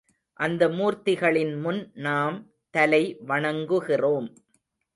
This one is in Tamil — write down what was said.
அந்த மூர்த்திகளின் முன் நாம் தலை வணங்குகிறோம்.